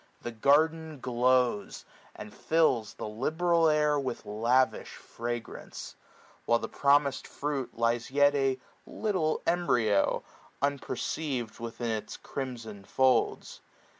The garden glows, and fills the liberal air With lavish fragrance ; while the promised firuit Lies yet a little embryo, unpcrceiv'd. Within its crimson folds.